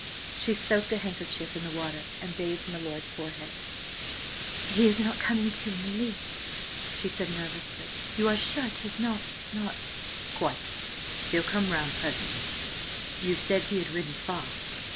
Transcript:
She soaked a handkerchief in the water, and bathed my lord's forehead. "He is not coming to in the least," she said nervously. "You are sure 'tis not–not—" "Quite. He'll come round presently. You said he had ridden far?"